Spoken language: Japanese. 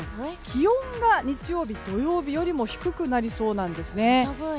気温が日曜日は土曜日よりも低くなりそうなんですね。